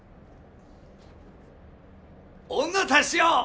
女たちよ！